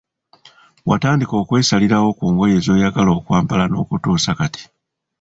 Watandika okwesalirawo ku ngoye zoyagala okwambala nokutuusa kati.